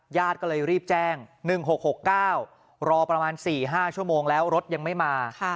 ญาติก็เลยรีบแจ้ง๑๖๖๙รอประมาณ๔๕ชั่วโมงแล้วรถยังไม่มา